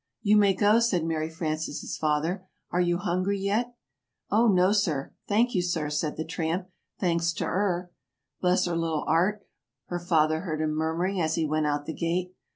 "You may go," said Mary Frances' father. "Are you hungry yet?" "Oh, no, sir, thank you, sir," said the tramp. "Thanks to 'er." "Bless 'er little 'eart," her father heard him murmuring, as he went out the gate.